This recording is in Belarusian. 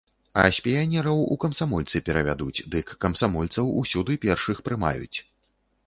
А з піянераў у камсамольцы перавядуць, дык камсамольцаў усюды першых прымаюць.